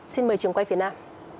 xin mời trường quay việt nam